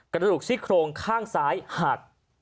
กระดูกซี่โครงข้างซ้ายหัก